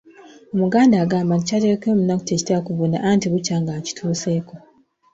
Omuganda agamba nti kyaterekera omunaku tekitera kuvunda anti bukya nga akituuseeko.